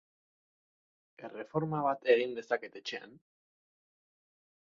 Erreforma bat egin dezaket etxean?